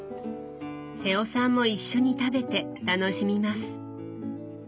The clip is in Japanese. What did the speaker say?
瀬尾さんも一緒に食べて楽しみます。